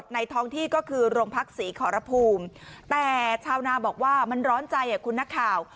ท้องที่ก็คือโรงพักศรีขอรภูมิแต่ชาวนาบอกว่ามันร้อนใจคุณนักข่าว